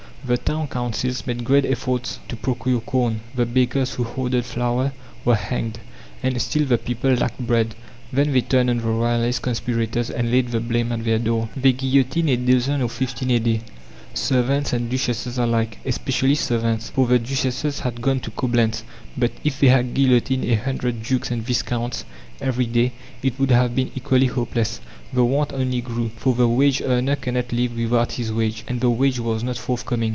The town councils made great efforts to procure corn; the bakers who hoarded flour were hanged and still the people lacked bread. Then they turned on the royalist conspirators and laid the blame at their door. They guillotined a dozen or fifteen a day servants and duchesses alike, especially servants, for the duchesses had gone to Coblentz. But if they had guillotined a hundred dukes and viscounts every day, it would have been equally hopeless. The want only grew. For the wage earner cannot live without his wage, and the wage was not forthcoming.